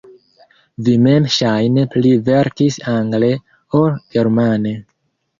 Vi mem ŝajne pli verkis angle ol germane.